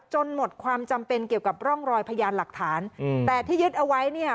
หมดความจำเป็นเกี่ยวกับร่องรอยพยานหลักฐานอืมแต่ที่ยึดเอาไว้เนี่ย